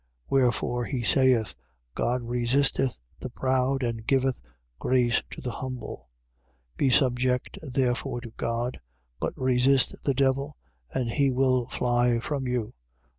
Wherefore he saith: God resisteth the proud and giveth grace to the humble. 4:7. Be subject therefore to God. But resist the devil: and he will fly from you.